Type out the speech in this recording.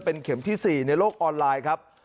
เป็นเข็มที่๔ในโลกออนไลน์ครับ